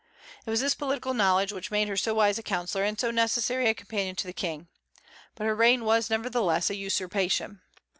It was this political knowledge which made her so wise a counsellor and so necessary a companion to the King. But her reign was nevertheless a usurpation.